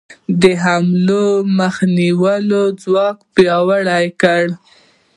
د حملو د مخنیوي ځواک پیاوړی کړي.